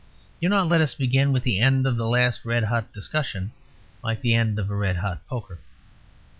Do not let us begin with the end of the last red hot discussion like the end of a red hot poker.